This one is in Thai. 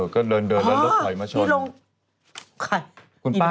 ก็เดินแล้วรถถอยมาชน